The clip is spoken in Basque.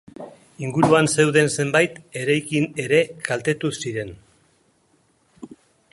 Inguruan zeuden zenbait eraikin ere kaltetu ziren.